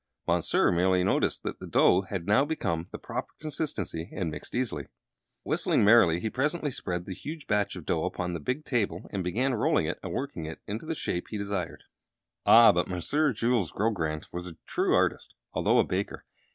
Monsieur merely noticed that the dough had now become the proper consistency, and mixed easily. Whistling merrily, he presently spread the huge batch of dough upon the big table and began rolling it and working it into the shape he desired. [Illustration: THEN A SUDDEN IDEA STRUCK HIM.] Ah, but Monsieur Jules Grogrande was a true artist, although a baker!